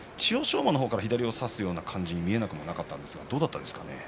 馬の方から左を差すような感じに見えなくもなかったんですがどうですか。